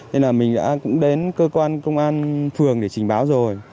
nên là mình đã cũng đến cơ quan công an phường để trình báo rồi